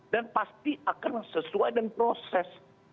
dan pasti akan sesuai dengan proses